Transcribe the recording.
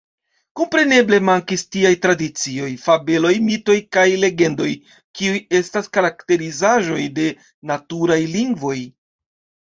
Kompreneble mankis tiaj tradicioj, fabeloj, mitoj kaj legendoj, kiuj estas karakterizaĵoj de “naturaj lingvoj.